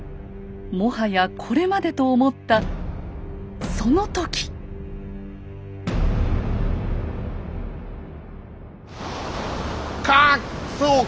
もはやこれまでと思ったそうか！